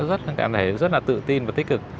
em thấy rất là tự tin và tích cực